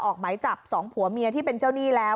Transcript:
ออกไหมจับสองผัวเมียที่เป็นเจ้าหนี้แล้ว